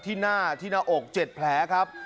ที่หน้าที่หน้าอก๗แผลครับ